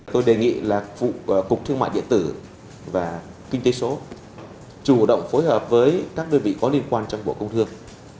tôi đề nghị là cục thương mại điện tử và kinh tế số chủ động phối hợp với các đơn vị có liên quan trong bộ công thương